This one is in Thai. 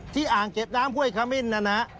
อ่างเก็บน้ำห้วยขมิ้นนะฮะ